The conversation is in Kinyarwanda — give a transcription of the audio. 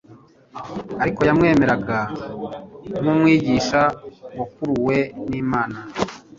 ariko yamwemeraga nk'Umwigisha wakuruwe n'Imana.